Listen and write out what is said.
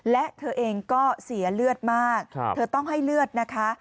และเธอเองก็เสียเลือดมากเธอต้องให้เลือดนะคะ